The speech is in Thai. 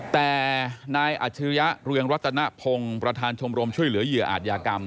แต่นายอัจฉริยะเรืองรัตนพงศ์ประธานชมรมช่วยเหลือเหยื่ออาจยากรรม